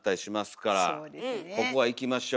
ここはいきましょ。